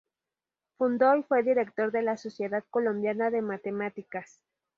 Fundó y fue director de la Sociedad Colombiana de Matemáticas.